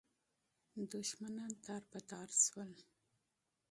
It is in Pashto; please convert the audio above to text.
دښمنان تار په تار سول.